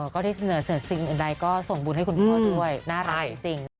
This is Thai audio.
ก็ได้เสนอเสร็จสิ่งอื่นใดก็ส่งบุญให้คุณพ่อด้วยน่ารักจริง